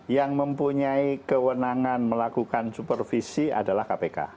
yang mempunyai kewenangan melakukan supervisi adalah kpk